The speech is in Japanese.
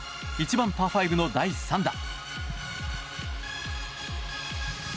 １番、パー５の第３打。